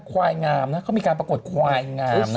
ควายงามนะเขามีการปรากฏควายงาม